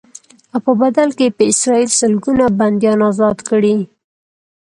او په بدل کې به اسرائیل سلګونه بنديان ازاد کړي.